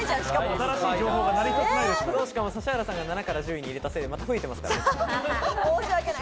指原さんが７位から１０位に入れたことでまた増えてますね。